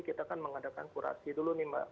kita kan mengadakan kurasi dulu nih mbak